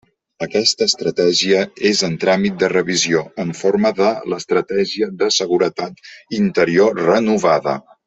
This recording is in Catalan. Aquesta Estratègia és en tràmit de revisió en forma de l'Estratègia de seguretat interior renovada.